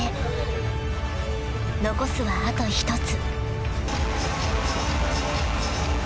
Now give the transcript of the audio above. ［残すはあと一つ］